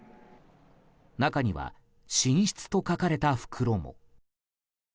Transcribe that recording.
中には、寝室と書かれた袋も。